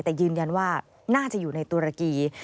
แต่ยืนยันว่าน่าจะอยู่ในตุรกี